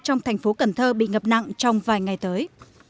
trong thành phố cần thơ bị ngập nặng trong vài ngày tới